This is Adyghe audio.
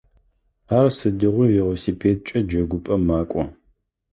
Ар сыдигъуи велосипедкӏэ джэгупӏэм мэкӏо.